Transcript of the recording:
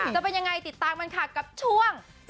จะเป็นยังไงติดตามกันค่ะกับช่วง